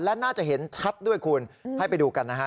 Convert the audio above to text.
และน่าจะเห็นชัดด้วยคุณให้ไปดูกันนะฮะ